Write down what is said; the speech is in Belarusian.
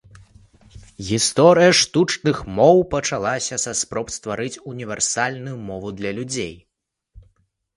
Гісторыя штучных моў пачалася са спроб стварыць універсальную мову для людзей.